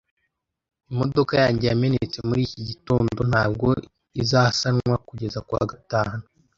Imodoka yanjye yamenetse muri iki gitondo ntabwo izasanwa kugeza kuwa gatanu.